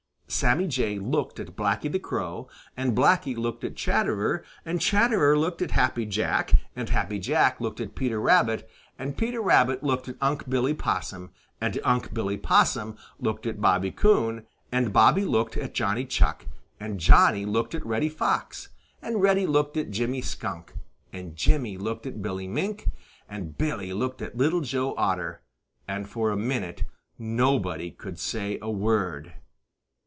] Sammy Jay looked at Blacky the Crow, and Blacky looked at Chatterer, and Chatterer looked at Happy Jack, and Happy Jack looked at Peter Rabbit, and Peter looked at Unc' Billy Possum, and Unc' Billy looked at Bobby Coon, and Bobby looked at Johnny Chuck, and Johnny looked at Reddy Fox, and Reddy looked at Jimmy Skunk, and Jimmy looked at Billy Mink, and Billy looked at Little Joe Otter, and for a minute nobody could say a word.